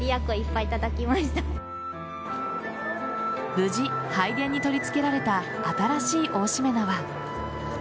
無事、拝殿に取り付けられた新しい大しめ縄。